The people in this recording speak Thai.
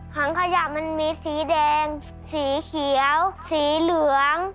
ถังขยะมันมีสีแดงสีเขียวสีเหลือง